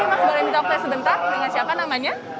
oke boleh minta pelas tentang dengan siapa namanya